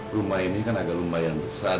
rumah ini kan agak lumayan besar